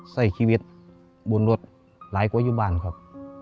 ใส่ชีวิตบนรถหลายกว่าอยู่บ้านครับ